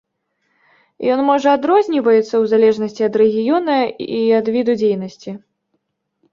Ён можа адрозніваецца ў залежнасці ад рэгіёна і ад віду дзейнасці.